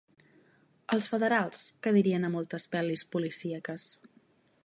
Els federals, que dirien a moltes pel·lis policíaques.